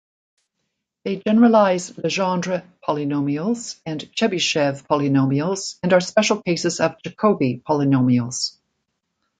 They generalize Legendre polynomials and Chebyshev polynomials, and are special cases of Jacobi polynomials.